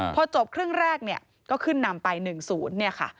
พอจบครึ่งแรกเนี่ยก็ขึ้นนำไป๑๐เนี่ยค่ะ